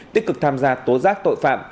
tích cực tham gia tố giác tội phạm